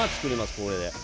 これで。